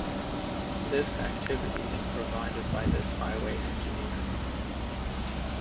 This activity is provided by this highway engineer.